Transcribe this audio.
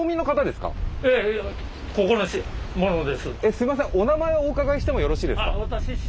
すいませんお名前をお伺いしてもよろしいですか？